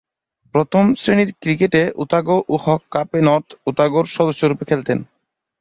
প্রথম-শ্রেণীর ক্রিকেটে ওতাগো ও হক কাপে নর্থ ওতাগোর সদস্যরূপে খেলতেন।